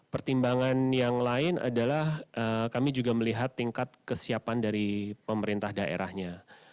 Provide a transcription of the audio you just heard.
pertimbangan yang lain adalah kami juga melihat tingkat kesiapan dari pemerintah daerahnya